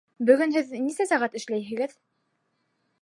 Бөгөн һеҙ нисә сәғәт эшләйһегеҙ?